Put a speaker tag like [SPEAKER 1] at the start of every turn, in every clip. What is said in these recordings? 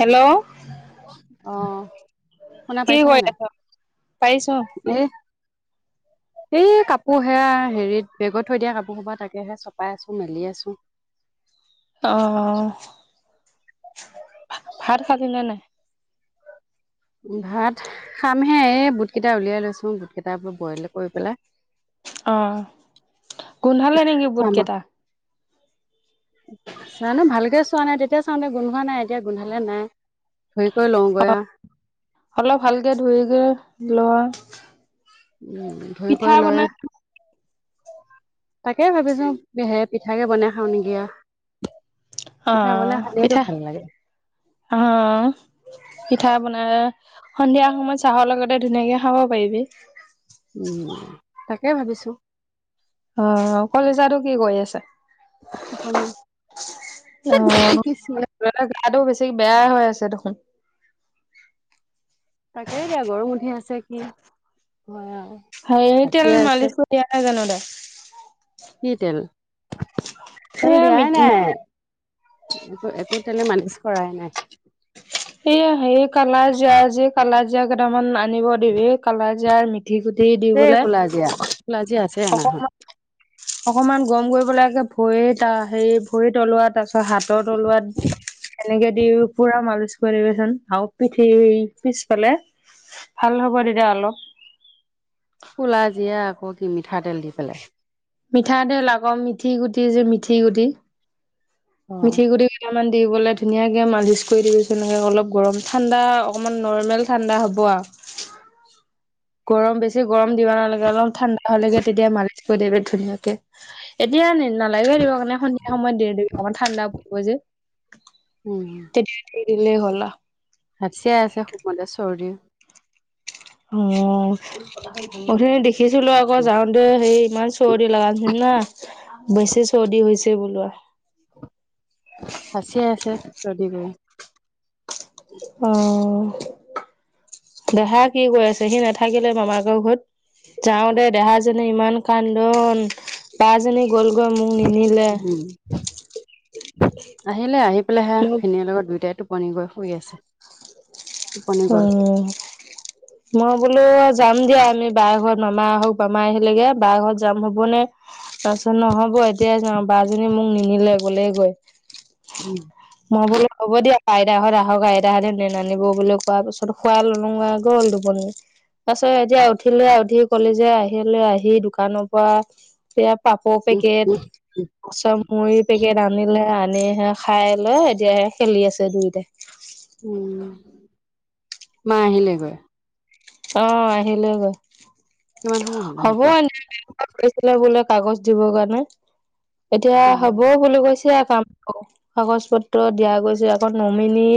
[SPEAKER 1] Hello
[SPEAKER 2] অ'। শুনা
[SPEAKER 1] কি
[SPEAKER 2] পাইছানে
[SPEAKER 1] কৰি
[SPEAKER 2] নাই
[SPEAKER 1] আছ পাৰিছ
[SPEAKER 2] [unintelligible] এই কাপোৰ সেয়া হেৰিত বেগত থৈ দিয়া কাপোৰ সোপা তাকেহে চপাই আছোঁ মেলি আছোঁ।
[SPEAKER 1] অ', ভাত খালিনে নাই।
[SPEAKER 2] ভাত খামহে এই বুট কেইটা উলিয়াই লৈছোঁ বুট কেইটা বোলো বইল কৰি পেলাই
[SPEAKER 1] অ', গোন্ধালে নেকি বুট
[SPEAKER 2] খাম আও
[SPEAKER 1] কেইটা।
[SPEAKER 2] জানো ভালকে চোৱা নাই তেতিয়া চাওঁতে গোন্ধোৱা হোৱা নাই এতিয়া গোন্ধালে নাই। [unintelligible] লওঁ গৈয়া।
[SPEAKER 1] অলপ ভালকৈ ধৰিকৈ লোৱা
[SPEAKER 2] উ'
[SPEAKER 1] পিঠা বনাই
[SPEAKER 2] [unintelligible] তাকে ভাবিছো হে পিঠাকে বনাই খাওঁ নেকি আও। পিঠা
[SPEAKER 1] অ'
[SPEAKER 2] বনাই খালেইতো
[SPEAKER 1] পিঠা
[SPEAKER 2] ভাল লাগে।
[SPEAKER 1] অ। পিঠা বনাই সন্ধিয়া সময়ত চাহৰ লগতে ধুনীয়াকে খাব পাৰিবি।
[SPEAKER 2] উম তাকে ভাবিছো।
[SPEAKER 1] অ কলিজাতো কি কৰি আছে?
[SPEAKER 2] টোপনি।
[SPEAKER 1] অ'
[SPEAKER 2] কৃষ্ণ।
[SPEAKER 1] [unintelligible] গাটো বেছি বেয়ায়ে হৈ আছে দেখোন।
[SPEAKER 2] তাকে এতিয়া গৰম উঠি আছে কি হয় আও।
[SPEAKER 1] [unintelligible] তেল
[SPEAKER 2] হাচিয়ে আছে
[SPEAKER 1] মালিচ কৰি দিয়া নাই জানো তাক?
[SPEAKER 2] কি তেল? তেল দিয়াই
[SPEAKER 1] তাই? এ
[SPEAKER 2] নাই। একো একো তেলে মালিচ কৰাই নাই।
[SPEAKER 1] এইয়া হেৰি কালাজিৰা যি কালা জিৰা কেইটামান আনিব। দিবি কালা জিৰা মিথি গুটি দি
[SPEAKER 2] এই
[SPEAKER 1] বোলে
[SPEAKER 2] ক'লা জীয়া ক'লা জীয়া আছে অনা হয়
[SPEAKER 1] অকমান অকমান গৰম কৰিব পেলাই যে ভৰিত আহ হেৰি ভৰি তলুৱাত [unintelligible] হাতৰ তলুৱাত এনেকে দি পুৰা মালিছ কৰিবাচোন হাও পিঠিৰ পিছফালে ভাল হ'ব তেতিয়া অলপ।
[SPEAKER 2] কলা জিৰা আকৌ কি মিঠাতেল দি পেলাই।
[SPEAKER 1] মিঠাতেল আকৌ মিঠি গুটি যে মিঠি গুটি।
[SPEAKER 2] অ
[SPEAKER 1] মিঠি গুটি কেইটামান দি পলে ধুনীয়াকে মালিচ কৰি দিবিচোন এনেকে অলপ গৰম ঠাণ্ডা অকণমান নৰ্মেল ঠাণ্ডা হ'ব আ। গৰম বেছি গৰম দিব নালাগে অলপ ঠাণ্ডা হলে তেতিয়া মালিছ কৰি দিবি ধুনীয়াকে। এতিয়া নালাগে দিব কাৰণে সন্ধিয়া সময়ত দে দিবি অকণমান ঠাণ্ডা পৰিব যে।
[SPEAKER 2] উম।
[SPEAKER 1] এতিয়া দি দিলেই হ'ল আ।
[SPEAKER 2] হাচিয়াই আছে খুউবমতে চৰ্দি।
[SPEAKER 1] অহ। উঠনি দেখিছিলো আকৌ যাওঁতে হেই ইমান চৰ্দি লগ নিচিনা। বেছি চৰ্দি হৈছে বোলো আ।
[SPEAKER 2] হাচিয়াই আছে চৰ্দি কৰি।
[SPEAKER 1] অঁহ। দেহা কি কৰি আছে, সি নাথাকিলে মামায়েকৰ ঘৰত। যাওঁতে দেহাজনী ইমান কান্দোন বা জনী গলগৈ মোক নিনিলে।
[SPEAKER 2] উম, আহিলে আহি পেলাই হেয়া
[SPEAKER 1] মোক
[SPEAKER 2] ভিনীৰ লগত দুইটাই টোপ- পনি গৈ শুই আছে। টোপনি গ'ল
[SPEAKER 1] উম। মই বোলো যাম দিয়া আমি বাই ঘৰত মামা আহক বমাই আহিলেগে বাই ঘৰত যাম হ'বনে। তাৰপিছত নহব এতিয় যাওঁ বাজনী মোক নিনিলে গলে গৈ।
[SPEAKER 2] উম।
[SPEAKER 1] মই বোলো হ'ব দিয়া আইটাহঁত আহক আইতাহঁতে নীলে নিব বোলো। তাৰ পিছত খোৱাই ললুং আও গ'ল টুপনি। পাছত এতিয়া উঠিলে উঠি কলিজাই আহিলে আহি দোকানৰ পৰা। এয়া পাপ
[SPEAKER 2] উম
[SPEAKER 1] পেকেট
[SPEAKER 2] উম
[SPEAKER 1] পিচত মুড়ী পেকেট আনিলে আনি সেয়া খাই লৈ এতিয়া হে খেলি আছে দুইটাই।
[SPEAKER 2] উম মা আহিলে গৈ?
[SPEAKER 1] অঁ! আহিলোঁ গৈ। [inaudible]
[SPEAKER 2] কিমান সময় হ'ল আহি পোৱা? [unintelligible]
[SPEAKER 1] [inaudible] বোলে কাগজ দিবৰ কাৰণে এতিয়া
[SPEAKER 2] অ
[SPEAKER 1] হব বুলি কৈছে কাম। কাগজ-পত্ৰ দিয়া গৈছে। আকৌ নমিনী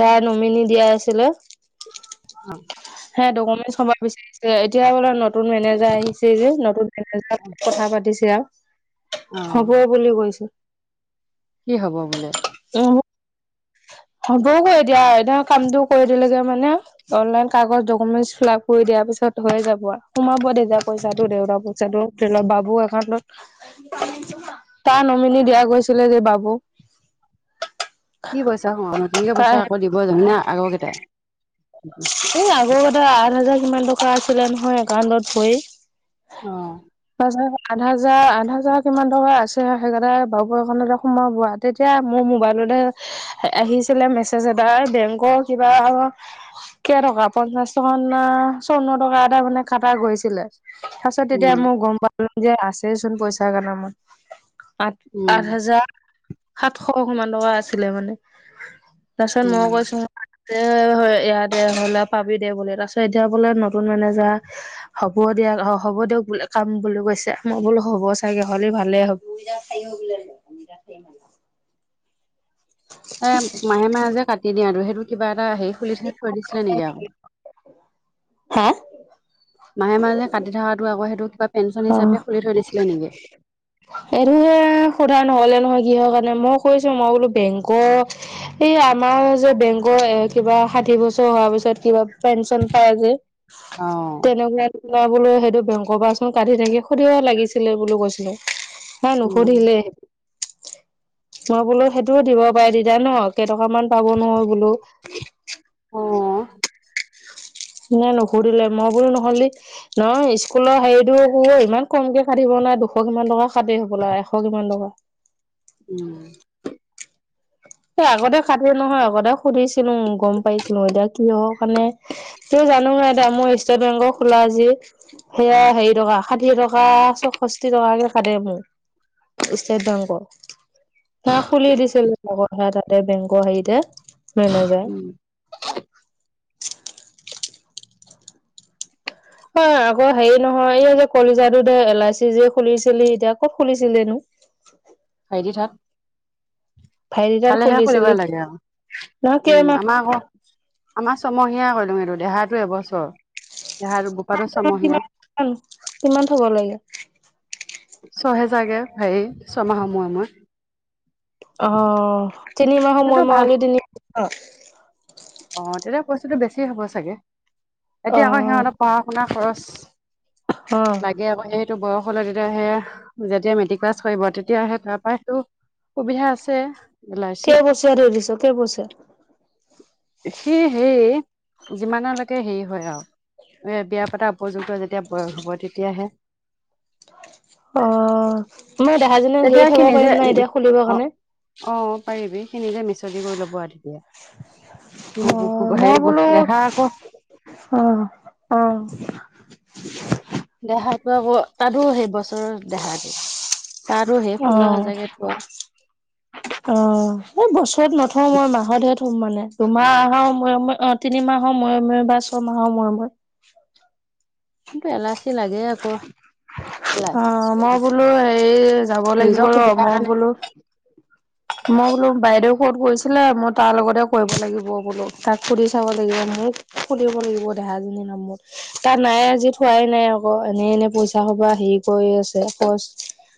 [SPEAKER 1] যাৰ নমিনী দিয়া আছিলে [inaudible]
[SPEAKER 2] অ [unintelligible]
[SPEAKER 1] হে ডকুমেণ্টছসমূহ বিচাৰিছে এতিয়া বোলে ন [inaudible] নতুন মেনেজাৰ আহিছে যে। নতুন মেনেজাৰ কথা পাতিছে আৰু। [inaudible]
[SPEAKER 2] অ
[SPEAKER 1] [unintelligible] হব বুলি কৈছে।
[SPEAKER 2] কি হ'ব বোলে? [unintelligible]
[SPEAKER 1] উহ [inaudible] হব গৈ দিয়া এতিয়া কামটো কৰি দিলে গে মানে। [inaudible] অনলাইন কাগজ ডকুমেন্টছ ফিল আপ কৰি দিয়াৰ পিছত হৈ যাব। সোমাব তেতিয়া পইচাটো দেউতাৰ [inaudible] প‌ইচাটো [unintelligible] বাবু একাউণ্টত [unintelligible] তাৰ নমিনী দিয়া গৈছিলে যে বাবু।
[SPEAKER 2] কি পইচা সোমাবনো নতুনকে পইচা
[SPEAKER 1] তাৰ
[SPEAKER 2] আকৌ দিব জানো নে আগৰ কেইটাই? [inaudible]
[SPEAKER 1] এই আগৰ কেইটা আঠ হাজাৰ কিমান টকা আছিলে নহয় একাউণ্টত হৈ। [unintelligible]
[SPEAKER 2] অঁ! [inaudible]
[SPEAKER 1] আঠ হাজাৰ, আঠ হাজাৰ কিমান টকা আছে সেইকেইটা বাবু একাউন্ততে সোমাব। [inaudible] তেতিয়া মোৰ মোবাইলতে আহিছিলে মেছেজ এটা বেংকৰ কিবা [inaudible] কে টকা পঞ্চাশ টকা না চৌৱন্ন টকা এটা মানে কাটা গৈছিলে। [inaudible] তাৰপিছত
[SPEAKER 2] উম
[SPEAKER 1] তেতিয়া মই গম পালোঁ যে আছে চোন পইচা কেইটামান আ [inaudible]
[SPEAKER 2] উম
[SPEAKER 1] আঠ হাজাৰ সাতশ কিমান টকা আছিলে মানে। [inaudible] তাৰপিছত
[SPEAKER 2] উম,
[SPEAKER 1] মই কৈছোঁ যে ইয়াত [inaudible] দে হ'লে পাবি দে বোলে। তাৰপিছত এতিয়া বোলে নতুন মেনেজা [inaudible] হ'ব দিয়া অ হ'ব দিয়ক বোলে কাম বুলি কৈছে, মই বোলো হ'ব চাগে, হ'লে ভালে হ'ব। [inaudible] [inaudible] খাইও বোলে [unintelligible] [inaudible]
[SPEAKER 2] এ মাহে-মাহে যে কাটি দিয়ে আৰু সেইটো কিবা এটা হেৰি [inaudible] খুলি থোৱা থৈ দিছিলে নেকি আকৌ। [inaudible] মাহে-মাহে যে কাটি থকাটো আকৌ সেইটো কিবা পেঞ্চন
[SPEAKER 1] অ
[SPEAKER 2] হিচাপে খুলি থৈ দিছিলে নেকি? [inaudible]
[SPEAKER 1] এইটোহে সোধা নহলে নহয় কিহৰ কাৰণে মই কৈছো মই বোলো বেংকৰ [inaudible] এই আমাৰ যে বেংকৰ এ কিবা ষাঠি বছৰ হোৱাৰ পিছত কিবা [unintelligible] পেঞ্চন পাই যে
[SPEAKER 2] অ',
[SPEAKER 1] তেনেকুৱা কিবা বোলো সেইটো বেংকৰ পৰা [inaudible] কাটি থাকে সুধিব লাগিছিলে বুলি কৈছিলো নাই
[SPEAKER 2] উম।
[SPEAKER 1] নুসুধিলে। [inaudible] মই বোলো সেইটোও দিব পাৰে তেতিয়া ন কেইটকা মান পাব নহয় বোলো। [inaudible]
[SPEAKER 2] অঁ! [unintelligible]
[SPEAKER 1] নাই নুখুধিলে মই বোলো নহ'লে [inaudible] নহয় স্কুলৰ হেৰিটো ইমান কমকে কাটিব নে দুশ কিমান টকা কাটে হ'বলা আৰু এশ কিমান টকা। [inaudible]
[SPEAKER 2] [inaudible]
[SPEAKER 1] এ আগতে কাটি নহয় আগতে সুধিছিলো গম পাইছিলোঁ। এতিয়া কিহৰ কাৰণে [unintelligible] ত জানো দে মোৰ ষ্টেট বেংকৰ খোলা যে [inaudible] সেয়া হেৰি টকা ষাঠি টকা, চৌষষ্ঠি টকাকে কাটে মোৰ। [inaudible] ষ্টেট বেংকৰ। ত এওঁ খুলি দিছিল লগত [inaudible] [unintelligible] তাতে বেংকৰ হেৰিতে মেনেজা [inaudible]
[SPEAKER 2] উম [unintelligible]
[SPEAKER 1] হয় আকৌ হেৰি নহয় এই যে কলিজাটো এল আই চি যে খুলিছিলি এতিয়া ক'ত খুলিছিলি নো? [inaudible]
[SPEAKER 2] খাইডি থাক।
[SPEAKER 1] ভাইটি তাত
[SPEAKER 2] ভালেহে খুলিব
[SPEAKER 1] খুলিছিলি
[SPEAKER 2] লাগে আক
[SPEAKER 1] নহয়
[SPEAKER 2] উম
[SPEAKER 1] কেইমাহ
[SPEAKER 2] আমাৰ আক আমাৰ ছমহীয়া কৰিলো এইটো দেহাতো এবছৰ দেহাটো বোপাৰটো ছমহীয়া
[SPEAKER 1] কিমান কিমান থব লাগে?
[SPEAKER 2] ছহেজাৰ কে হেৰি ছয়মাহৰ মোৰে মোৰে
[SPEAKER 1] অ তিনিমাহ মোৰে
[SPEAKER 2] সেইটো ভাল
[SPEAKER 1] মোৰে নিদিলি অ
[SPEAKER 2] অ তেতিয়া পইচাটো বেছি হ'ব চাগে এতিয়া আকৌ সিহঁত
[SPEAKER 1] অ
[SPEAKER 2] পা আপোনাৰ খৰচ লাগে আকৌ এই টো বয়স হলে তেতিয়াহে যেতিয়া মেট্ৰিক পাছ কৰিব তেতিয়াহে তাৰ পাহেটো সুবিধা আছে।
[SPEAKER 1] কেইবছৰীয়া থৈ দিছ কেইবছৰীয়া?
[SPEAKER 2] সি হে যিমানলৈকে হেৰি হয় আৰু এ বিয়া পাতা উপযুক্ত যেতিয়া হ'ব তেতিয়াহে
[SPEAKER 1] অ মই দেহাজনী
[SPEAKER 2] তেতিয়া
[SPEAKER 1] হেৰি
[SPEAKER 2] সি
[SPEAKER 1] থব
[SPEAKER 2] নিজে
[SPEAKER 1] পাৰিম নাই এতিয়া খুলিবৰ
[SPEAKER 2] অ
[SPEAKER 1] কাৰণে।
[SPEAKER 2] অ পাৰিবি সি নিজে মিছৰদি কৰি ল'ব আৰু তেতিয়া
[SPEAKER 1] অ মই
[SPEAKER 2] হেৰি
[SPEAKER 1] বোলো
[SPEAKER 2] দেহা আকৌ
[SPEAKER 1] অ অ
[SPEAKER 2] দেহাটো আকৌ তাতো সেই বছৰৰ দেহাটো তাতো সেই
[SPEAKER 1] অ
[SPEAKER 2] ষোল্ল হাজাৰকে থোৱা।
[SPEAKER 1] অ এই বছৰত নথওঁ মই মাহতহে থম মানে দুমাহ হ মোৰে মোৰে অ তিনিমাহৰ মোৰে মোৰে বা ছয়মাহৰ মোৰে মোৰে।
[SPEAKER 2] কিন্তু এলাচি লাগে।
[SPEAKER 1] অ মই বোলো হেৰি যাব লাগিব
[SPEAKER 2] নিজৰ
[SPEAKER 1] ৰ
[SPEAKER 2] সুবিধাৰ
[SPEAKER 1] মই
[SPEAKER 2] কাৰণে
[SPEAKER 1] বোলো মই বোলো বাইদেউ ক'ত কৰিছিলে মই তাৰ লগতে কৰিব লাগিব বোলো তাক সুধি চাব লাগিব মোক খুলিব লাগিব দেহাজনীৰ নামত তাত নাই আজি থোৱাই নাই আকৌ এনেই এনে পইচা সোপা হেৰি কৰি আছে খৰচ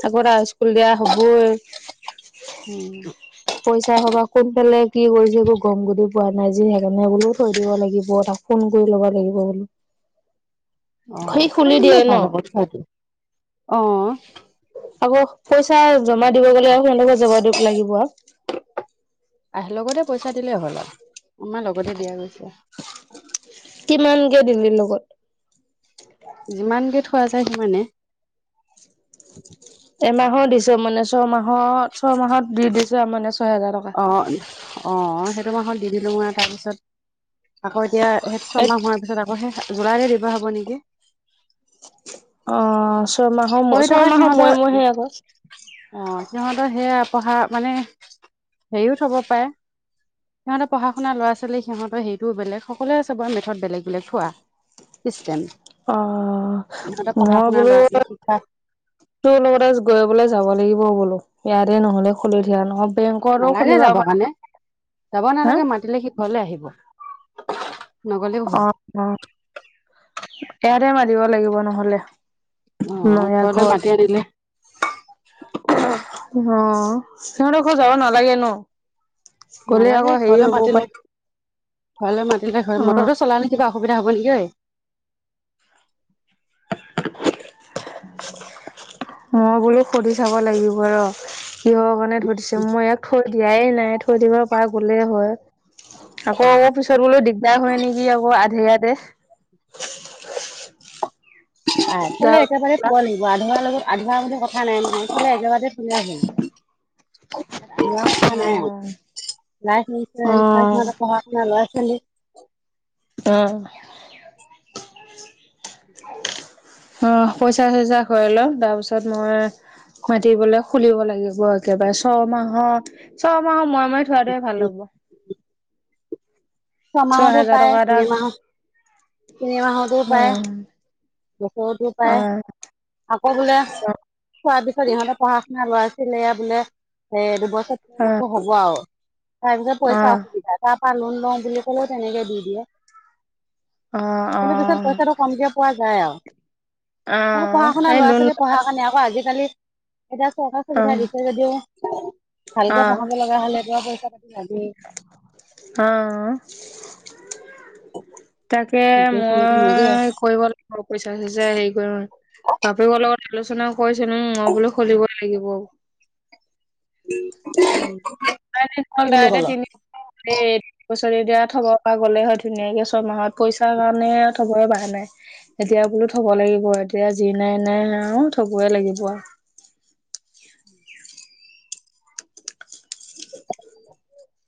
[SPEAKER 1] তাকো এতিয়া স্কুল দিয়া হ'বই।
[SPEAKER 2] উম।
[SPEAKER 1] পইচা সোপা কোন ফালে কি কৰিছে একো গম গতি পোৱা নাই যেনে তেনে বোলো থৈ দিব লাগিব তাক ফোন কৰি ল'ব লাগিব বোলো
[SPEAKER 2] অ
[SPEAKER 1] সি
[SPEAKER 2] থৈ
[SPEAKER 1] খুলি
[SPEAKER 2] দিলে
[SPEAKER 1] দিয়ে ন
[SPEAKER 2] ভাল হ'ব থৈ দি অ
[SPEAKER 1] আকৌ পইচা জমা দিব গ'লে আকৌ কেনেকে জমা দিব লাগিব আৰু
[SPEAKER 2] আহি ল'ব দে পইচা দিলেই হ'ল আৰু আমাৰ লগতে দিয়া গৈছে।
[SPEAKER 1] কিমানকে দিলি লগত?
[SPEAKER 2] যিমানকে থোৱা যায় সিমানে।
[SPEAKER 1] এমাহৰ দিছো মানে ছমাহত ছমাহত দি দিছো মানে ছয় হেজাৰ টকা।
[SPEAKER 2] অঁ অঁ সেইটো মাহত দি দিলোঁ আ আৰু তাৰপিছত আকৌ এতিয়া সেই
[SPEAKER 1] এ
[SPEAKER 2] ছমাহ হোৱাৰ পিছত আকৌ সেই জুলাইতে দিয়া হ'ব নেকি?
[SPEAKER 1] অ ছয়মাহৰ
[SPEAKER 2] পঢ়ি থকা
[SPEAKER 1] ছয়মাহৰ
[SPEAKER 2] সিহঁতৰ
[SPEAKER 1] মোৰে মোৰে সেই আকৌ
[SPEAKER 2] অ সিহঁতৰ সেয়া পঢ়া মানে হেৰিও থব পাৰে। সিহঁতে পঢ়া শুনা ল'ৰা ছোৱালী সিহঁতৰ সেইটো বেলেগ সকলে চাব মেথত বেলেগ বেলেগ থোৱা চিষ্টেম।
[SPEAKER 1] অ
[SPEAKER 2] সিহঁতে পঢ়া
[SPEAKER 1] মই
[SPEAKER 2] শুনাৰ
[SPEAKER 1] বোলো
[SPEAKER 2] ল'ৰা -ছোৱালী শিক্ষা
[SPEAKER 1] তোৰ লগতে গৈ পালে যাব লাগিব বোলো ইয়াৰে নহ'লে খুলি দিয়া নহয়।
[SPEAKER 2] নালাগে যাব কাৰণে যাব
[SPEAKER 1] হা
[SPEAKER 2] নালাগে মাতিলে সি ঘৰলে আহিব। নগ'লেও হয়।
[SPEAKER 1] অ ইয়াতে মাতিব লাগিব নহ'লে।
[SPEAKER 2] অ',
[SPEAKER 1] নয়া
[SPEAKER 2] ঘৰলৈ
[SPEAKER 1] ঘৰ
[SPEAKER 2] মাতি আনিলে
[SPEAKER 1] অ সিহঁত ঘ যাব নালাগে ন গ'লে
[SPEAKER 2] নালাগে
[SPEAKER 1] আকৌ হেৰি
[SPEAKER 2] ঘৰলৈ
[SPEAKER 1] হ'বও পাই
[SPEAKER 2] মাতিলে ঘৰলৈ মাতিলে ঘ
[SPEAKER 1] অ
[SPEAKER 2] মটৰটো চলালে কিবা অসুবিধা হ'ব নেকি ঐ
[SPEAKER 1] মই বোলো সুধি চাব লাগিব ৰ কিহৰ কাৰণে ধ দিছো মই ইয়াক থৈ দিয়াই নাই থৈ দিব পৰা গ'লেই হয় আকৌ পিছত বোলো দিগদাৰ হয় নিকি আকৌ আধেয়াতে
[SPEAKER 2] আই
[SPEAKER 1] অ
[SPEAKER 2] থলে একেবাৰে থব লাগিব আধৰুৱা লগত আধৰুৱা বুলি কথা নাই নহয় থলে একেবাৰতে থলেই হ'ল তেনেকুৱা কথা নাই লাইফ
[SPEAKER 1] অ
[SPEAKER 2] ইঞ্চুৰ [unintelligible] ল'ৰা ছোৱালী
[SPEAKER 1] অ
[SPEAKER 2] [unintelligible]
[SPEAKER 1] অ পইচা চইচা হৈ লওঁক তাৰপিছত মই সিহঁতি বোলে খুলিব লাগিব একেবাৰে ছমাহৰ ছমাহৰ মুৰে মুৰে থোৱাটোৱে ভাল হ'ব। ছয়
[SPEAKER 2] ছমাহতো
[SPEAKER 1] হেজাৰ
[SPEAKER 2] পায়
[SPEAKER 1] টকা এটা
[SPEAKER 2] তিনি মাহত তিনি মাহতো
[SPEAKER 1] অ
[SPEAKER 2] পাৰে। বছৰতো
[SPEAKER 1] অ
[SPEAKER 2] পায়ে আকৌ বোলে থোৱাৰ পিছত ইহঁতে পঢ়া শুনা ল'ৰা ছোৱালীয়ে বোলে এ দুবছৰ মই
[SPEAKER 1] অ
[SPEAKER 2] কৈছো হ'ব আউ তাৰপিছত
[SPEAKER 1] অ
[SPEAKER 2] পইচা অসুবিধা তাৰাপা লোন লওঁ বুলি ক'লেও তেনেকে দি দিয়ে
[SPEAKER 1] অ
[SPEAKER 2] কিন্তু পিছত
[SPEAKER 1] অ
[SPEAKER 2] পইচাটো কমকে পোৱা যায় আউ
[SPEAKER 1] অ
[SPEAKER 2] মানে পঢ়া শুনা
[SPEAKER 1] এই
[SPEAKER 2] ল'ৰা
[SPEAKER 1] লোন
[SPEAKER 2] ছোৱালীৰ পঢ়াৰ কাণে আকৌ আজিকালি এতিয়া চৰকাৰে
[SPEAKER 1] অ
[SPEAKER 2] সুবিধা দিছে যদিও ভালকে পঢ়াব লগা হলে এতি পইচা পাতি লাগেই
[SPEAKER 1] আহ তাকে
[SPEAKER 2] গোটেইখিনিতো নিদিয়ে
[SPEAKER 1] মই কৰিব লাগে ব পইচা চইচা হেৰি কৰি বাপেকৰ লগত আলোচনা কৰিছিলোং মই বোলো খুলিব লাগিব
[SPEAKER 2] [unintelligible] কি
[SPEAKER 1] [unintelligible]
[SPEAKER 2] বুলি
[SPEAKER 1] এতিয়া
[SPEAKER 2] ক'লে
[SPEAKER 1] তিনি [unintelligible] বছৰি দিয়া থব পৰা গলে হয় ধুনীয়াকে ছয়মাহত পইচাৰ কাৰণে থবই পৰা নাই এতিয়া বোলো থব লাগিব এতিয়া যি নাই নাই আৰু থবই লাগিব আউ
[SPEAKER 2] [unintelligible]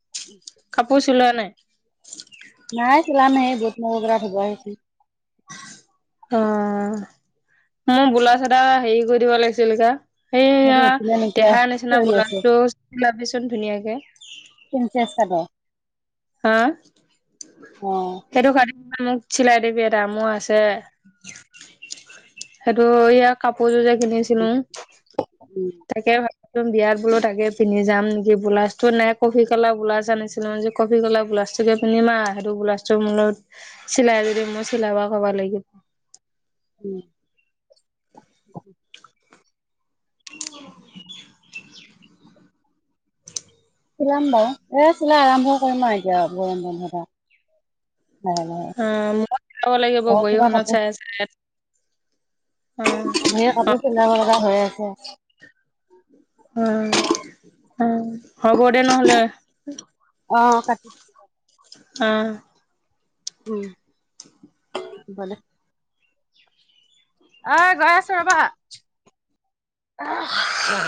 [SPEAKER 2] [unintelligible]
[SPEAKER 1] কাপোৰ চিলোৱা নাই
[SPEAKER 2] নাই চিলামে সেই বুট মগুকেইটা ধুবহে আহিছো
[SPEAKER 1] আ মোৰ বোলাউজ এটা হেৰি কৰি দিব লাগিছিল কা সেইয়া
[SPEAKER 2] সেইটো উঠিলে নেকি আৰু
[SPEAKER 1] দেহাৰ নিচিনা
[SPEAKER 2] চিঞৰি আছে
[SPEAKER 1] বোলাউজটো চিলাবিচোন ধুনীয়াকে
[SPEAKER 2] প্ৰিঞ্চেছ কাটৰ
[SPEAKER 1] আ
[SPEAKER 2] অ
[SPEAKER 1] সেইটো খালি মোক চিলাই দিবি এটা মো আছে সেইটো এয়া কাপোৰযোৰ যে কিনিছিলো
[SPEAKER 2] উম
[SPEAKER 1] তাকে ভাবিচোন বিয়াত বোলো তাকে পিন্ধি যাম নেকি ব্লাউজটো নাই কফি কালাৰ ব্লাজ আনিছিলোং যে কফি কলা ব্লাউজটোকে পিন্ধি আ সেইটো ব্লাউজ মো চিলাই যদি মো চিলাব কবা লাগিব
[SPEAKER 2] উম [unintelligible]
[SPEAKER 1] [unintelligible]
[SPEAKER 2] চিলাম বাৰু এ চিলাই আৰম্ভ কৰিম আৰু এতিয়া গৰম বন্ধ পা
[SPEAKER 1] অ মও চিলাব লাগিব
[SPEAKER 2] ঘৰত কিবা
[SPEAKER 1] বহীখনত
[SPEAKER 2] কাপোৰ
[SPEAKER 1] চাই চাই এট অ অ'
[SPEAKER 2] খেলাবা হৈ আছে
[SPEAKER 1] অ অ হ'ব দে নহ'লে
[SPEAKER 2] অ ক
[SPEAKER 1] উম
[SPEAKER 2] উম ভালে অ গৈ আছোঁ ৰবা